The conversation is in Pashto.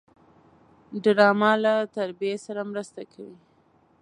ډرامه له تربیې سره مرسته کوي